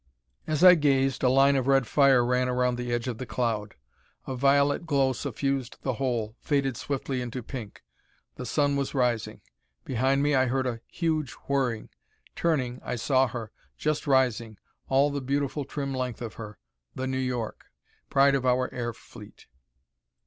As I gazed a line of red fire ran around the edge of the cloud. A violet glow suffused the whole, faded swiftly into pink. The sun was rising. Behind me I heard a huge whirring. Turning, I saw her, just rising, all the beautiful trim length of her. The New York! Pride of our air fleet!